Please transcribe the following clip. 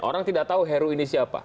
orang tidak tahu heru ini siapa